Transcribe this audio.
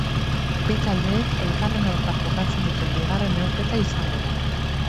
Bi taldeek elkarren aurka jokatzen duten bigarren neurketa izango da.